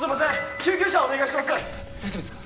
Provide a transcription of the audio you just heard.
救急車お願いします